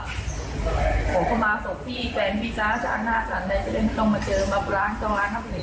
ได้จริงจริงต้องมาเจอมับร้านจำร้านทำให้เห็น